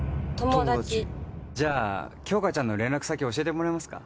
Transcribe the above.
友達友達じゃあ杏花ちゃんの連絡先教えてもらえますか？